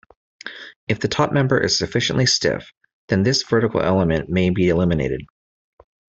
If the top member is sufficiently stiff then this vertical element may be eliminated.